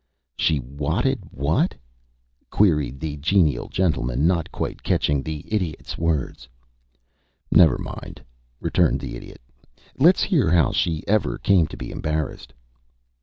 "She whatted what?" queried the genial gentleman, not quite catching the Idiot's words. "Never mind," returned the Idiot. "Let's hear how she ever came to be embarrassed."